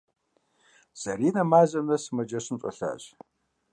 Зэринэ мазэм нэс сымаджэщым щӏэлъащ.